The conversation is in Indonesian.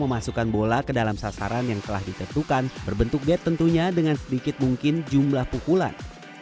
memasukkan bola ke dalam sasaran yang telah ditentukan berbentuk gate tentunya dengan sedikit mungkin jumlah pukulan